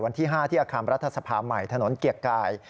วันที่๕ที่อาคารรัฐสภาใหม่ถนนเกียรติกาย